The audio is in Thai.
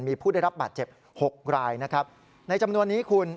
มีผู้ได้รับบาดเจ็บหกรายนะครับในจำนวนนี้คุณ